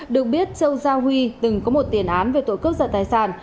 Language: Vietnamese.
được biết châu gia huy từng có một tiền án về tội cướp giật tài sản